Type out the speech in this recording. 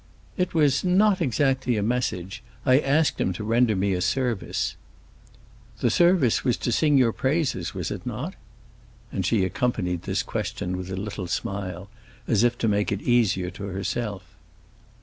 "It was not exactly a message—I asked him to render me a service." "The service was to sing your praises, was it not?" And she accompanied this question with a little smile, as if to make it easier to herself.